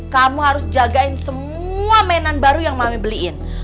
kamu harus jagain semua mainan baru yang mami beliin